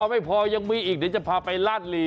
ไม่พอยังมีอีกเดี๋ยวจะพาไปลาดหลี